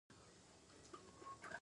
درد د بدن د خبرتیا زنګ دی